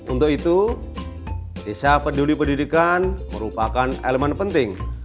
untuk itu desa peduli pendidikan merupakan elemen penting